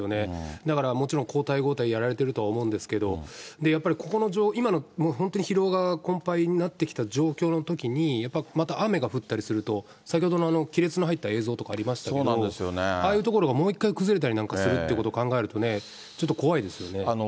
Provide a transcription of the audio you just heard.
だから、もちろん、交代交代やられてるとは思うんですけど、やっぱり、今の疲労が困ぱいになってきた状況のときに、やっぱ、また雨が降ったりすると、先ほどの亀裂の入った映像とかありましたけど、ああいう所がもう一回崩れたりなんかすると考えるとね、ちょっと怖いですよね。